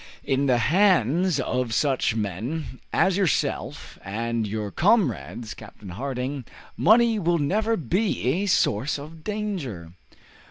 In the hands of such men as yourself and your comrades, Captain Harding, money will never be a source of danger.